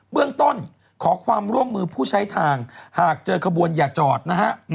เรื่องต้นขอความร่วมมือผู้ใช้ทางหากเจอขบวนอย่าจอดนะฮะ